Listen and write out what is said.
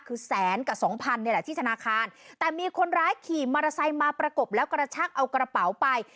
คือแสนกับสองพันนี่แหละที่ธนาคารแต่มีคนร้ายขี่มอเตอร์ไซค์มาประกบแล้วกระชักเอากระเป๋าไป